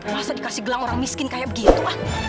masa dikasih gelang orang miskin kayak begitu